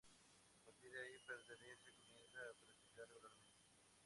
A partir de ahí, Peter comienza a practicar regularmente.